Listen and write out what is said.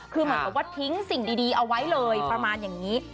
คือเหมือนกับว่าทิ้งสิ่งดีเอาไว้เลยประมาณอย่างนี้